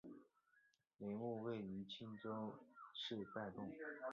陵墓位于庆州市拜洞。